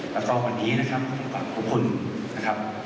แล้วก็วันนี้นะครับขอบคุณนะครับ